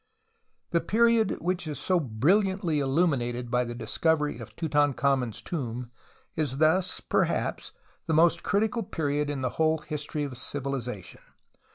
The period which is so brilliantly illuminated by the discovery of Tutankhamen's tomb is thus perhaps the most critical period in the whole history of civilization.